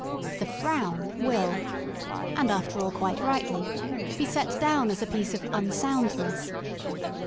The frown will — and, after all, quite rightly — be set down as a piece of unsoundness."